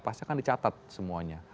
pasti kan dicatat semuanya